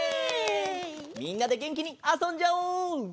みんなでげんきにあそんじゃおう！